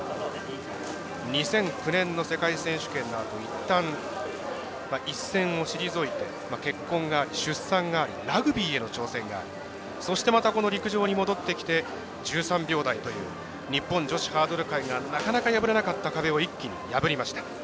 ２００９年の世界選手権のあといったん、一線を退いて結婚、出産がありラグビーへの挑戦がありそして、陸上に戻ってきて１３秒台という日本女子ハードル界が破れなかった壁を破りました。